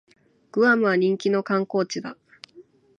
グアムは人気の観光地だ